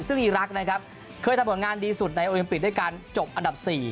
ซึ่งอีรักษ์นะครับเคยทำผลงานดีสุดในโอลิมปิกด้วยการจบอันดับ๔